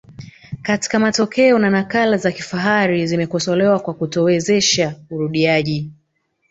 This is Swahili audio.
katika matokeo na nakala za kifahari zimekosolewa kwa kutowezesha urudiaji